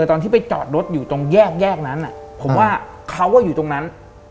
คุณไปจอดรถอยู่ตรงแยกนั้นผมว่าเขาก็อยู่ตรงนั้น